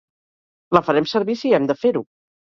La farem servir si hem de fer-ho.